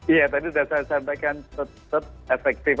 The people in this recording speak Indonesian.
iya tadi sudah saya sampaikan tetap efektif